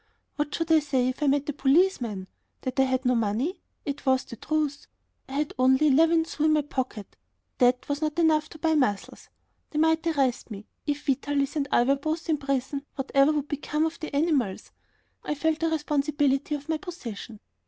What should I say if I met a policeman? That I had no money? It was the truth; I had only eleven sous in my pocket. That was not enough to buy muzzles. They might arrest me. If Vitalis and I were both in prison, whatever would become of the animals? I felt the responsibility of my position.